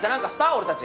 俺たち。